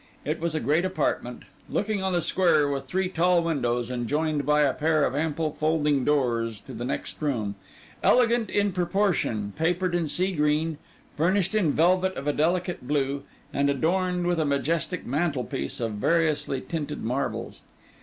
It was a great apartment; looking on the square with three tall windows, and joined by a pair of ample folding doors to the next room; elegant in proportion, papered in sea green, furnished in velvet of a delicate blue, and adorned with a majestic mantelpiece of variously tinted marbles.